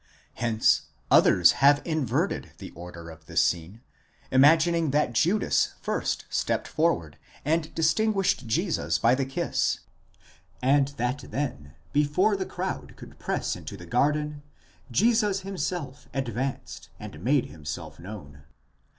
Hence others have inverted the order of the scene, imagining that Judas first stepped forward and distinguished Jesus by the kiss, and that then, before the crowd could press into the garden, Jesus himself advanced and made himself known.